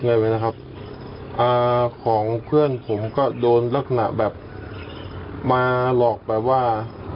เหมือนที่ของเพื่อนผมก็โดนลักหนะแบบมาหลอกไปว่า